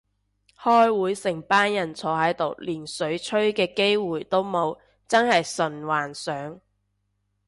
開會成班人坐喺度連水吹嘅機會都冇，真係純幻想